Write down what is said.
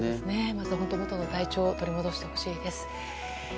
まずはもともとの体調を取り戻してほしいです。